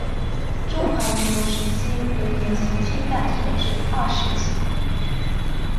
中华民国时期仍沿袭清代所置二十旗。